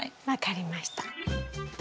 分かりました。